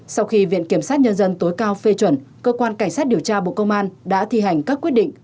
sau khi viện kiểm sát nhân dân tối cao phê chuẩn cơ quan cảnh sát điều tra bộ công an đã thi hành các quyết định